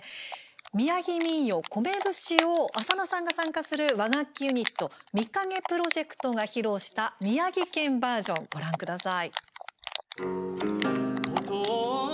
宮城民謡「米節」を浅野さんが参加する和楽器ユニットミカゲプロジェクトが披露した宮城県バージョン、ご覧ください。